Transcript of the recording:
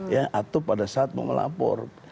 ya atau pada saat mau melapor